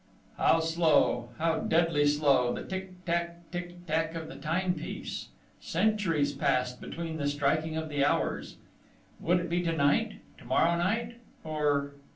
How slow, how deadly slow, the tic tac, tic tac, of the timepiece? Centuries passed between the striking of the hours!... Would it be to night?... To morrow night?... Or